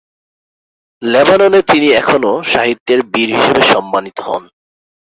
লেবাননে তিনি এখনও সাহিত্যের বীর হিসেবে সম্মানিত হন।